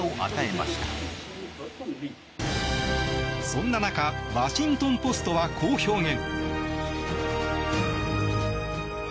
そんな中ワシントン・ポストはこう表現。